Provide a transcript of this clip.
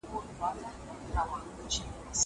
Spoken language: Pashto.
دا زدکړه له هغه ګټوره ده!